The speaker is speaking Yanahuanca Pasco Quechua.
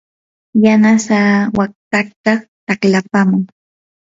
yanasaa waqtataa taqlapaman.